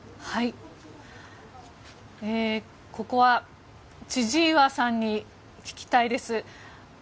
ここは千々岩さんに聞きたいです。